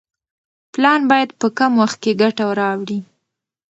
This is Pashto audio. پلان باید په کم وخت کې ګټه راوړي.